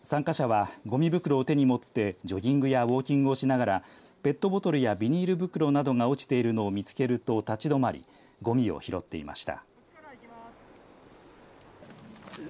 参加者はゴミ袋を手に持ってジョギングやウオーキングをしながら、ペットボトルやビニール袋が落ちているのを見つけると立ち止まりゴミを拾っていました。